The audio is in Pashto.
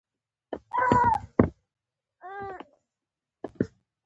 افغانستان تر هغو نه ابادیږي، ترڅو نصاب د وخت له غوښتنو سره برابر نشي.